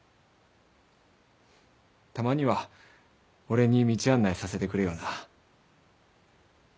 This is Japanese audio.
たまには俺に道案内させてくれよな。